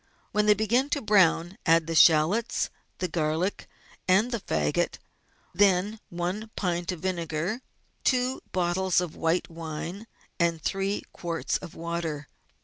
When they begin to brown add the shallots, the garlic, and the faggot, then one pint of vinegar, two bottles of white wine, and three quarts of water.